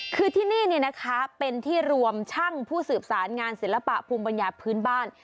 คือที่นี่เป็นที่รวมช่างผู้สืบสารงานศิลปะภูมิปัญญาพื้นบ้าน